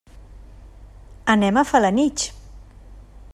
Anem a Felanitx.